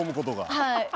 はい。